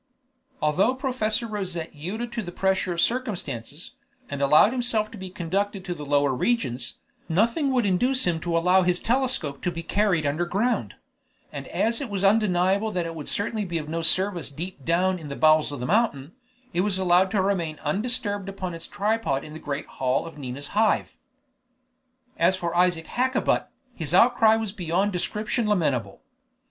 Although Professor Rosette yielded to the pressure of circumstances, and allowed himself to be conducted to the lower regions, nothing would induce him to allow his telescope to be carried underground; and as it was undeniable that it would certainly be of no service deep down in the bowels of the mountain, it was allowed to remain undisturbed upon its tripod in the great hall of Nina's Hive. As for Isaac Hakkabut, his outcry was beyond description lamentable.